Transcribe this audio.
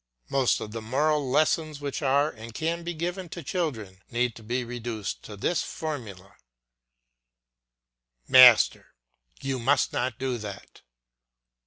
Most of the moral lessons which are and can be given to children may be reduced to this formula; Master. You must not do that.